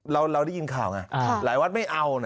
เราได้ยินข่าวไงหลายวัดไม่เอานะ